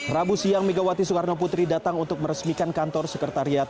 rabu siang megawati soekarnoputri datang untuk meresmikan kantor sekretariat